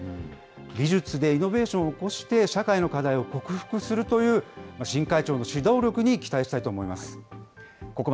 技術でイノベーションを起こして社会の課題を克服するという新会長の指導力に期待したいと思いま